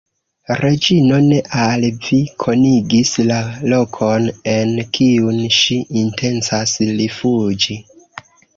Reĝino ne al vi konigis la lokon, en kiun ŝi intencas rifuĝi.